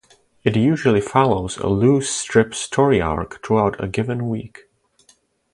It usually follows a loose "strip story arc" throughout a given week.